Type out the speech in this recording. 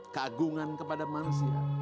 kagungan kepada manusia